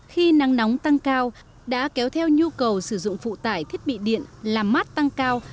khi nắng nóng tăng cao đã kéo theo nhu cầu sử dụng phụ tải thiết bị điện làm mát tăng cao